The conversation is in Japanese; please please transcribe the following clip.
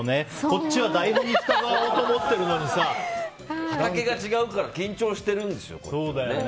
こっちは台本に従おうと畑が違うから緊張してるんですよ。